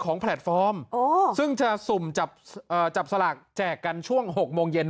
ของแพลตฟอร์มโอ้ซึ่งจะสุ่มจับเอ่อจับสลากแจกกันช่วงหกโมงเย็น